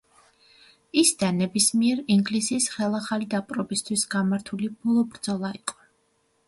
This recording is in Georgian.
ის დანების მიერ ინგლისის ხელახალი დაპყრობისთვის გამართული ბოლო ბრძოლა იყო.